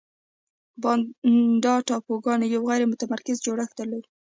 بانډا ټاپوګانو یو غیر متمرکز جوړښت درلود.